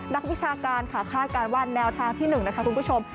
นักวิชาการค่ะคาดการณ์ว่าแนวทางที่๑นะคะคุณผู้ชม